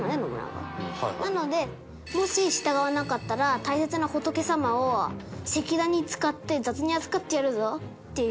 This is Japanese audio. なのでもし従わなかったら大切な仏様を石段に使って雑に扱ってやるぞっていう。